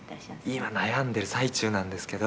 「今悩んでいる最中なんですけど」